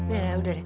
ya udah deh